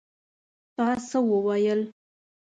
تا څه وویل?